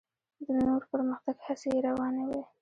د نور پرمختګ هڅې یې روانې دي.